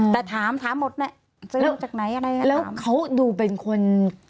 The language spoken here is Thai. แต่ถามถามหมดแหละซื้อมาจากไหนอะไรแล้วเขาดูเป็นคน